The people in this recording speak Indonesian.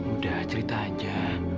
udah cerita aja